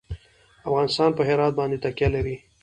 افغانستان په هرات باندې تکیه لري.